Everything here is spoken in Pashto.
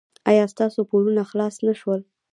ایا ستاسو پورونه خلاص نه شول؟